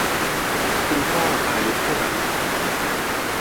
คุณพ่อ อายุเท่าไหร